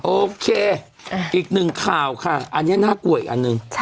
โอเคอีกหนึ่งข่าวค่ะอันนี้น่ากลัวอีกอันหนึ่ง